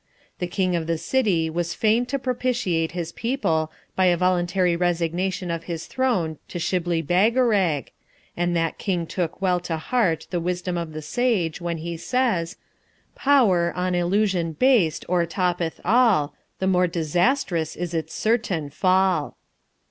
The King of the City was fain to propitiate his people by a voluntary resignation of his throne to Shibli Bagarag, and that King took well to heart the wisdom of the sage, when he says: Power, on Illusion based, o'ertoppeth all; The more disastrous is its certain fall!